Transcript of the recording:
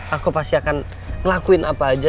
aku pasti akan ngelakuin apa aja